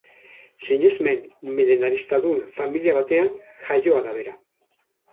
Sinesmen milenaristadun familia batean jaioa da bera.